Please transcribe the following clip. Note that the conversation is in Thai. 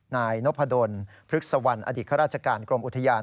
นายนพดนพฤกษวรรณอดิษฐรรจการกรมอุทยาน